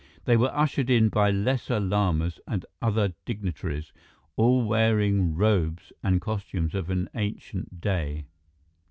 They were ushered in by lesser lamas and other dignitaries, all wearing robes and costumes of an ancient day.